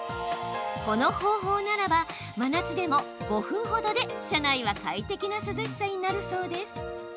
この方法ならば真夏でも５分ほどで車内は快適な涼しさになるそうです。